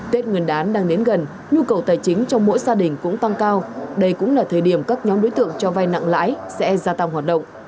tết nguyên đán đang đến gần nhu cầu tài chính trong mỗi gia đình cũng tăng cao đây cũng là thời điểm các nhóm đối tượng cho vai nặng lãi sẽ gia tăng hoạt động